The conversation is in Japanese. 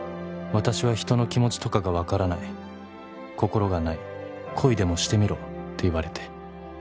「私は人の気持ちとかがわからない心がない」「恋でもしてみろって言われて」